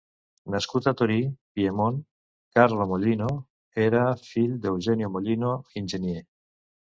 Nascut a Torí, Piemont, Carlo Mollino era fill d'Eugenio Mollino, enginyer.